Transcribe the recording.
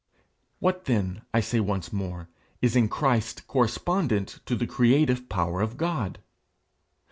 What then, I say once more, is in Christ correspondent to the creative power of God?